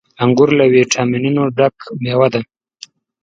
• انګور له ويټامينونو ډک مېوه ده.